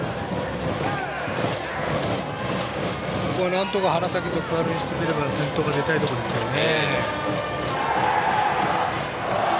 なんとか花咲徳栄にしてみれば先頭が出たいところですよね。